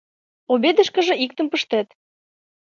Обедышкыже иктым пыштет...